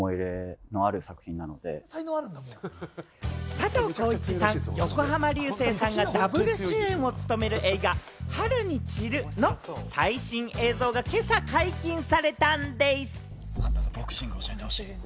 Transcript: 佐藤浩市さん、横浜流星さんがダブル主演を務める映画『春に散る』の最新映像が今朝解禁されたんでぃす！